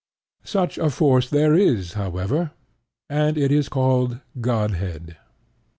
Such a force there is, however; and it is called Godhead.